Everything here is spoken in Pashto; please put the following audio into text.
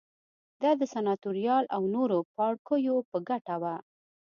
دا د سناتوریال او نورو پاړوکیو په ګټه وه